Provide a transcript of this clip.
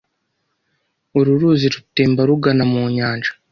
Uru ruzi rutemba rugana mu nyanja.